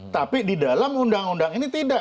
tapi di dalam undang undang ini tidak